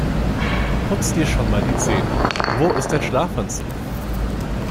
Putz dir schon mal die Zähne. Wo ist dein Schlafanzug?